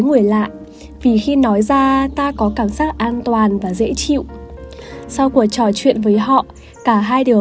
người lạ vì khi nói ra ta có cảm giác an toàn và dễ chịu sau cuộc trò chuyện với họ cả hai đều